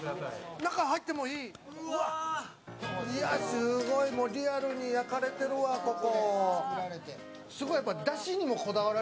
すごい、リアルに焼かれてるわ、ここ。